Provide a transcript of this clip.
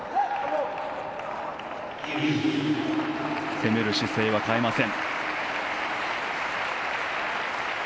攻める姿勢は変えません。